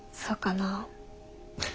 そうかなあ。